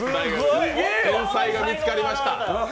天才が見つかりました。